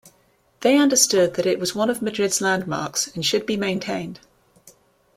They understood that it was one of Madrid's landmarks and should be maintained.